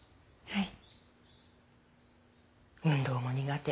はい。